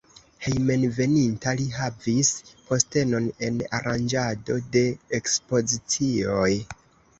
Hejmenveninta li havis postenon en aranĝado de ekspozicioj.